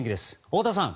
太田さん。